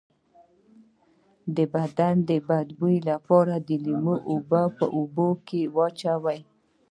د بدن د بد بوی لپاره د لیمو اوبه په اوبو کې واچوئ